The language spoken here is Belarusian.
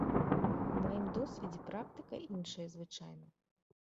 Па маім досведзе практыка іншая звычайна.